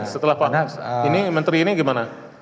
setelah pak ini menteri ini gimana